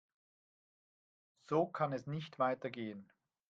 So kann es nicht weitergehen.